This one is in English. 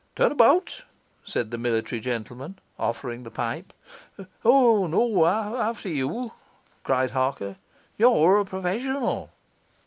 'Turn about,' said the military gentleman, offering the pipe. 'O, not after you!' cried Harker; 'you're a professional.